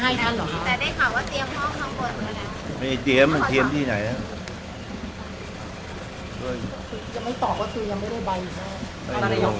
ยังไม่ตอบก็คือยังไม่ได้ใบค่ะ